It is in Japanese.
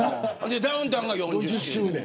ダウンタウンも４０周年。